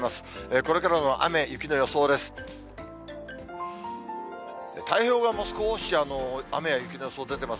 これからの雨、雪の予想です。